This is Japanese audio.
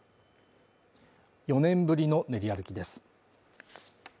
４年ぶりの練り歩きです。